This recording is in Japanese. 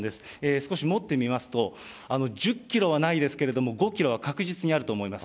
少し持ってみますと、１０キロはないですけれども、５キロは確実にあると思います。